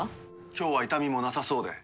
今日は痛みもなさそうで。